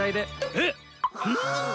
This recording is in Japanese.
えっ！